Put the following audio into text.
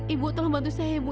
ibu tolong bantu saya ya ibu